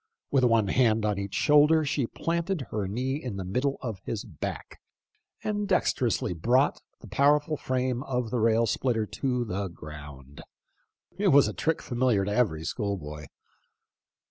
With one hand on each shoulder, she planted her knee in the middle of his back, and dexterously brought the powerful frame of the rail splitter to the ground. It was a trick familiar to every schoolboy.